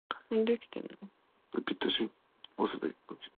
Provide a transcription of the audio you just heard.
A magma that is both left and right alternative is said to be alternative.